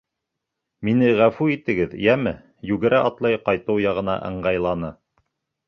Мине ғәфү итегеҙ, йәме, -йүгерә-атлай ҡайтыу яғына ыңғайланы.